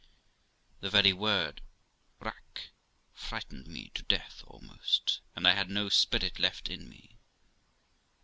The very word rack frighted me to death almost, and I had no spirit left in me.